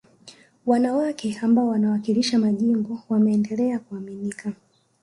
wanawake ambao wanawakilishi majimbo wameendelea kuaminika